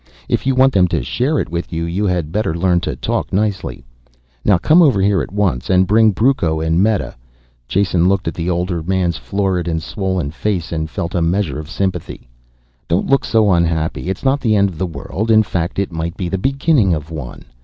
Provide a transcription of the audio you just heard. If you want them to share it with you, you had better learn to talk nicely. Now come over here at once and bring Brucco and Meta." Jason looked at the older man's florid and swollen face and felt a measure of sympathy. "Don't look so unhappy, it's not the end of the world. In fact, it might be the beginning of one.